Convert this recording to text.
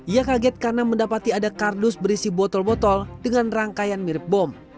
ia kaget karena mendapati ada kardus berisi botol botol dengan rangkaian mirip bom